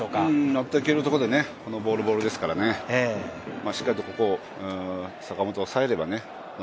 のっていけるところでボール、ボールですからね、しっかりとここを坂本を抑えればノ